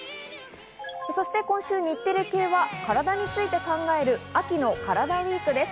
そして今週、日テレ系はカラダについて考える秋のカラダＷＥＥＫです。